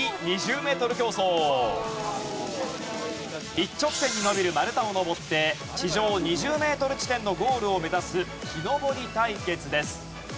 一直線にのびる丸太を登って地上２０メートル地点のゴールを目指す木登り対決です。